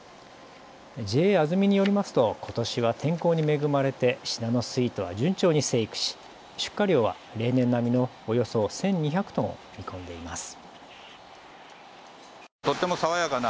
ＪＡあづみによりますとことしは天候に恵まれてシナノスイートは順調に生育し出荷量は例年並みのおよそ１２００トンを見込んでいます。